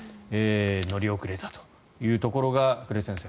乗り遅れたというところが栗原先生